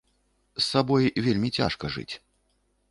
З сабой вельмі цяжка жыць.